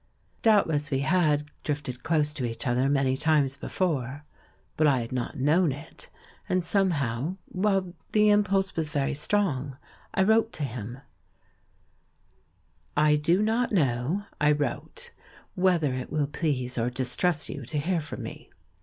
Doubtless we had drifted close to each other 370 THE MAN WHO UNDERSTOOD WOMEN many times before, but I had not known it, and somehow — Well, the impulse was very strong, I wrote to him ! "I do not know," I wrote, "whether it will please or distress you to hear from me.